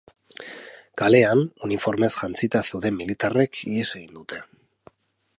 Kalean, uniformez jantzita zeuden militarrek ihes egin dute.